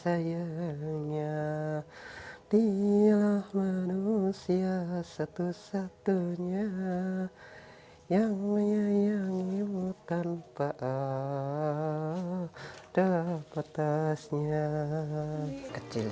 sayangnya dialah manusia satu satunya yang menyayangi bukan pa'at adalah petasnya kecil